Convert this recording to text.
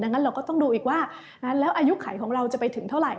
งั้นเราก็ต้องดูอีกว่าแล้วอายุไขของเราจะไปถึงเท่าไห